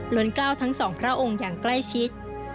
ล้นกล้าวทั้งสองพระองค์อย่างใกล้ชิด